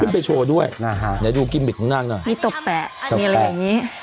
ไปโชว์ด้วยนะฮะเดี๋ยวดูกิมมิกของนางหน่อยมีตบแปะมีอะไรอย่างงี้